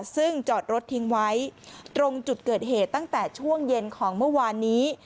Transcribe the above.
ซึ่งจอดรถทิ้งไว้ตรงจุดเกิดเหตุตั้งแต่ช่วงเย็นของเมื่อวานนี้